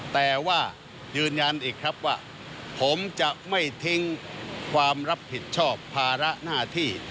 แต่ว่ายืนยันอีกครับว่าผมจะไม่ทิ้งความรับผิดชอบภาระหน้าที่